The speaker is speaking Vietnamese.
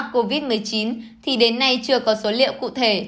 covid một mươi chín thì đến nay chưa có số liệu cụ thể